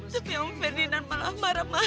tapi om ferdinand malah marah mata